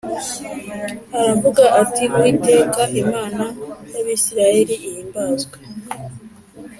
Aravuga ati “Uwiteka Imana y’Abisirayeli ihimbazwe”